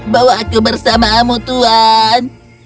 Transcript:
bawa aku bersamamu tuhan